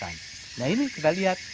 nah ini kita lihat